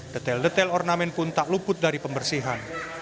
detail detail ornamen pun tak luput dari pembersihan